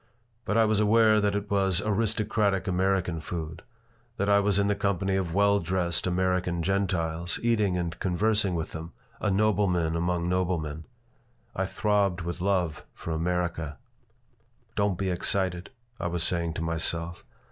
But I was aware that it was "aristocratic American" food, that I was in the company of well dressed American Gentiles, eating and conversing with them, a nobleman among noblemen. I throbbed with love for America "Don't be excited," I was saying to myself.